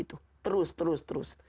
terus terus terus